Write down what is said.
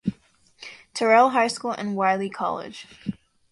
Terrell High School and Wiley College.